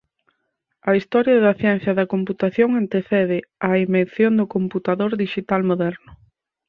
A historia da ciencia da computación antecede á invención do computador dixital moderno.